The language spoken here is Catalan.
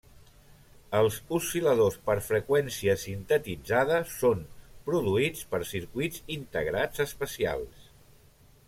Els oscil·ladors per freqüència sintetitzada són produïts per circuits integrats especials.